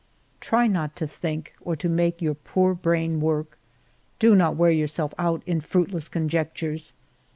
" Try not to think, or to make your poor brain work. Do not wear yourself out in fruitless conjectures.